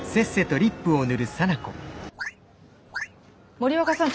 森若さん